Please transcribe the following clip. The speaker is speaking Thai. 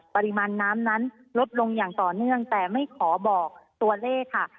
ปริมาณน้ำนั้นลดลงอย่างต่อเนื่องแต่ไม่ขอบอกตัวเลขค่ะ